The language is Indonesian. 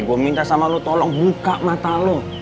gua minta sama lu tolong buka mata lu